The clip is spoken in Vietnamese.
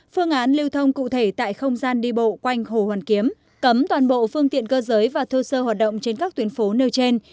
phương án lưu thông cụ thể tại không gian đi bộ quanh hồ hoàn kiếm cấm toàn bộ phương tiện cơ giới và thô sơ hoạt động trên các tuyến phố nêu trên